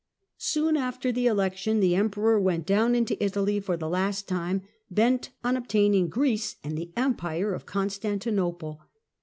Soon after the election the Emperor Third went down into Italy for the last time, " bent on obtain pedition of ing Greece and the Empire of Constantinople."